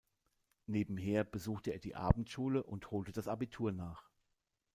Nebenher besuchte er die Abendschule und holte das Abitur nach.